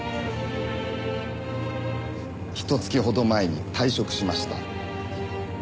ひと月ほど前に退職しました。